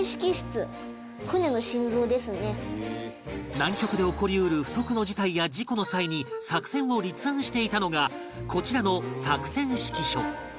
南極で起こり得る不測の事態や事故の際に作戦を立案していたのがこちらの作戦指揮所